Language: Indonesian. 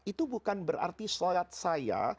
itu bukan berarti sholat saya